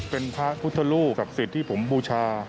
เป็นพระพุทธรูปกับสิทธิ์ที่ผมบูชา